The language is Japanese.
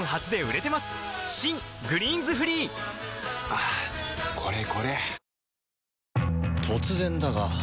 はぁこれこれ！